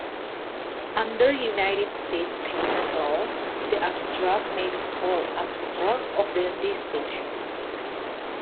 Under United States patent law, the abstract may be called "Abstract of the Disclosure".